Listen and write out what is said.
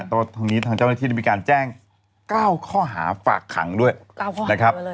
ตอนนี้ทางเจ้าหน้าที่มีการแจ้ง๙ข้อหาฝากขังด้วยนะครับ